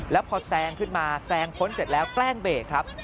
แล้วพอแซงขึ้นมาแซงพ้นเสร็จแล้วแกล้งเบรกครับ